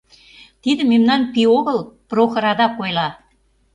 — Тиде мемнан пий огыл, — Прохор адак ойла.